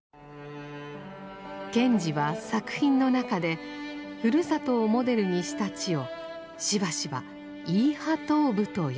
賢治は作品の中でふるさとをモデルにした地をしばしば「イーハトーブ」と呼んでいます。